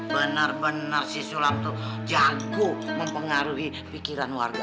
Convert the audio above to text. benar benar si sulam itu jago mempengaruhi pikiran warga